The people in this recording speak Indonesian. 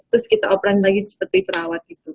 terus kita operan lagi seperti perawat gitu